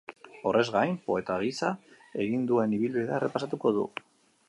Horrez gain, poeta gisa egin duen ibilbidea errepasatuko du.